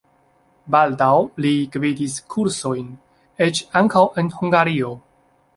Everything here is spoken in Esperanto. Baldaŭ li gvidis kursojn, eĉ ankaŭ en Hungario.